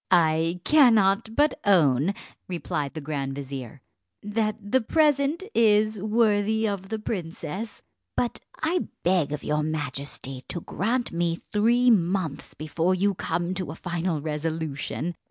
"I cannot but own," replied the grand vizier, "that the present is worthy of the princess; but I beg of your majesty to grant me three months before you come to a final resolution.